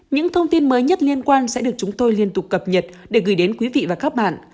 những thông tin mới nhất liên quan sẽ được chúng tôi liên tục cập nhật để gửi đến quý vị và các bạn